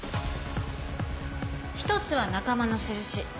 一つは仲間の印。